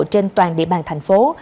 trên toàn địa bàn thành phố